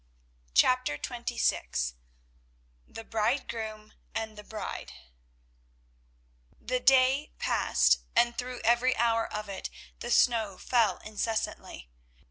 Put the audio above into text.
CHAPTER XXVI THE BRIDEGROOM AND THE BRIDE The day passed, and through every hour of it the snow fell incessantly.